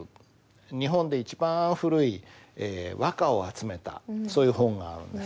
日本で一番古い和歌を集めたそういう本があるんですね。